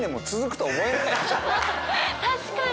確かに。